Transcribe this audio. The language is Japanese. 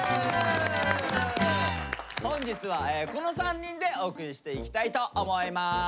本日はこの３人でお送りしていきたいと思います。